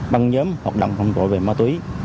băng nhóm hoạt động phòng tội về ma túy